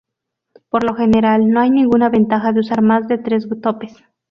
Por lo general, no hay ninguna ventaja de usar más de tres topes.